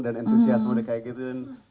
dan entusiasme udah kayak gitu